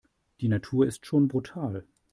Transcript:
Die Natur ist schon brutal.